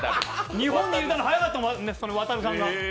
日本に入れたの早かったもんね、そのワタルさんが。